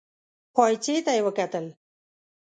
پايڅې ته يې وکتل.